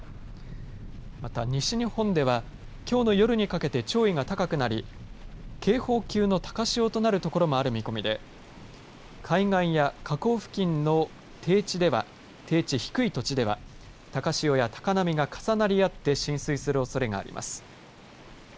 また、西日本ではきょうの夜にかけて潮位が高くなり警報級の高潮となる所もある見込みで海岸や河口付近の低地では低地、低い土地では高潮や高波が重なり合って浸水するおそれがあります。